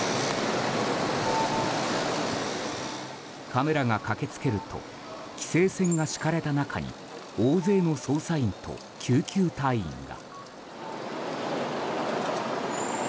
カメラが駆け付けると規制線が敷かれた中に大勢の捜査員と救急隊員が。